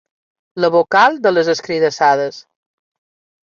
La vocal de les escridassades.